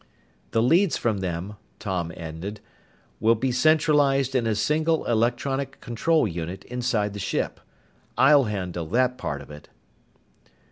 "The leads from them," Tom ended, "will be centralized in a single electronic control unit inside the ship. I'll handle that part of it."